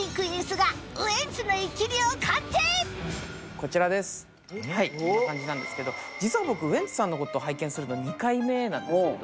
こちらですこんな感じなんですけど実は僕ウエンツさんのこと拝見するの２回目なんですけど。